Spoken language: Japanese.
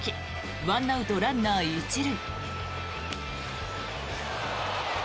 １アウト、ランナー１塁。